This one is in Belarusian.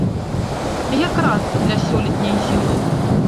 Якраз для сёлетняй зімы!